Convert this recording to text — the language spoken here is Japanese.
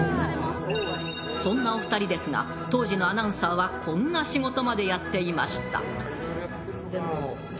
そんなお二人ですが当時のアナウンサーはこんな仕事までやっていました！